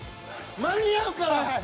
間に合うから。